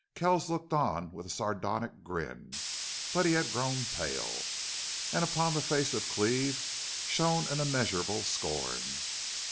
Kells looked on with a sardonic grin, but he had grown pale. And upon the face of Cleve shone an immeasurable scorn.